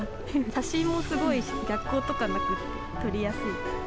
写真もすごい逆光とかなくって撮りやすい。